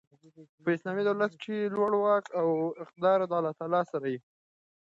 په اسلامي دولت کښي لوړ واک او اقتدار د الله تعالی سره يي.